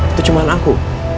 itu cuman aku